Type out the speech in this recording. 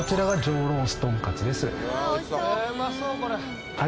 うまそうこれ。